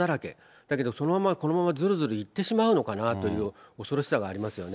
だけどそのまま、このままずるずるいってしまうのかなという恐ろしさがありますよね。